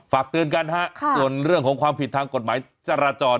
ฝากเตือนกันฮะส่วนเรื่องของความผิดทางกฎหมายจราจร